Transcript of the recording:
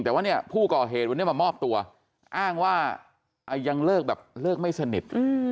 แต่ว่าผู้ก่อเหตุวันนี้มามอบตัวอ้างว่ายังเลิกไม่สนิท